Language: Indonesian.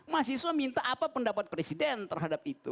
mahasiswa minta apa pendapat presiden terhadap itu